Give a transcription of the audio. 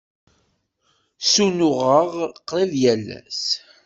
Ssunuɣeɣ qrib yal ass.